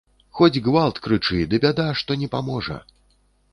Хоць гвалт крычы, ды бяда, што не паможа.